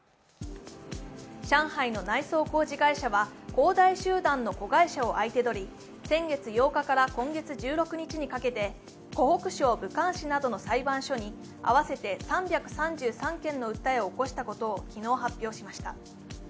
上海の内装工事会社は恒大集団の子会社を相手取り先月８日から今月１６日にかけて湖北省・武漢市などの裁判所に合わせて３３３件の訴えを起こしたことを昨日発表しました。